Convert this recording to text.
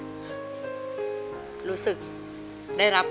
ขอบคุณครับ